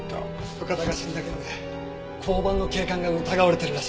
深田が死んだ件で交番の警官が疑われてるらしい。